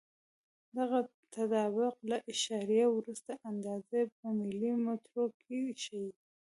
دغه تطابق له اعشاریه وروسته اندازه په ملي مترو کې ښیي.